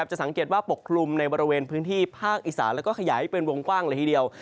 จะสังเกตว่าปกคลุมในบริเวณพื้นที่ภาคอีสานแล้วก็ขยายเป็นวงกว้างเลยทีเดียว